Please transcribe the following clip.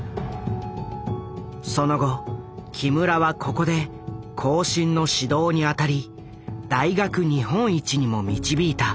その後木村はここで後進の指導に当たり大学日本一にも導いた。